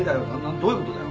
どういう事だよ。